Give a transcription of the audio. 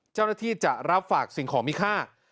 เจ้าหน้าที่จะรับฝากสิ่งของมีค่า